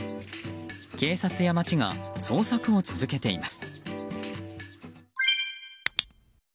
警察や町が捜索を続けています。